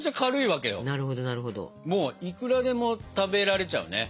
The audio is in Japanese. もういくらでも食べられちゃうね。